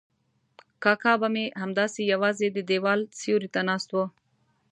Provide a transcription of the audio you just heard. کاکا به مې همداسې یوازې د دیوال سیوري ته ناست و.